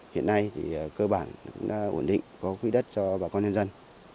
hiện nay thì cơ bản cũng đã ổn định có quỹ đất cho bà con nhân dân